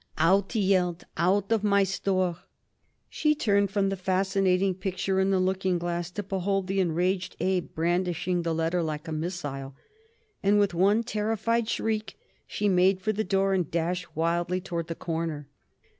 "Out," he yelled, "out of my store." She turned from the fascinating picture in the looking glass to behold the enraged Abe brandishing the letter like a missile, and with one terrified shriek she made for the door and dashed wildly toward the corner.